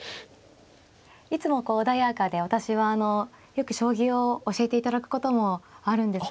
いつもこう穏やかで私はあのよく将棋を教えていただくこともあるんですが。